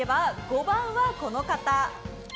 ５番は、この方。